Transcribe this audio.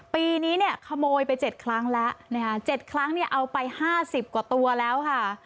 ปีนี้เนี่ยขโมยไป๗ครั้งแล้วนะคะ๗ครั้งเนี่ยเอาไป๕๐กว่าตัวแล้วค่ะ